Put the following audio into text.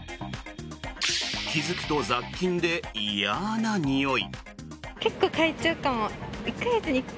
気付くと雑菌で嫌なにおい。